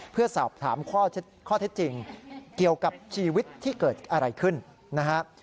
เพื่อสอบถามข้อเท็จจริงเกี่ยวกับชีวิตที่เกิดอะไรขึ้นนะฮะ